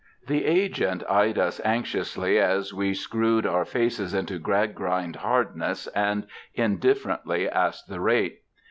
The agent eyed us anxiously, as we screwed our faces into Gradgrind hardness and indifferently asked the rate.